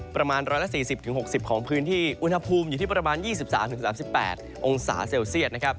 ประมาณ๑๔๐๖๐ของพื้นที่อุณหภูมิอยู่ที่ประมาณ๒๓๓๘องศาเซลเซียต